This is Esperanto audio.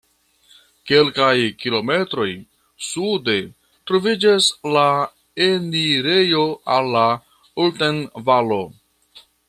Kelkaj kilometroj sude troviĝas la enirejo al la Ulten-Valo.